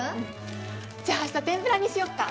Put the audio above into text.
じゃあ明日天ぷらにしよっか。